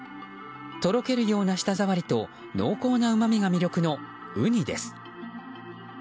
とろけるような舌触りと濃厚なうまみが魅力のウニです。